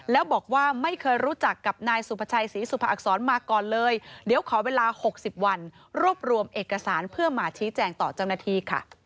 แล้วบอกว่าไม่เคยรู้จักกับนายสุภาชัยศรีสุภาอักษรมาก่อนเลยเดี๋ยวขอเวลา๖๐วันรวบรวมเอกสารเพื่อมาชี้แจงต่อเจ้าหน้าที่ค่ะ